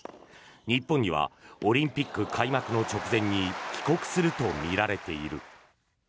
日本にはオリンピック開幕の直前に帰国するとみられている。